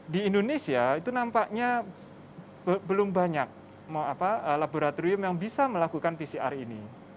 di indonesia itu nampaknya belum banyak laboratorium yang bisa melakukan pcr ini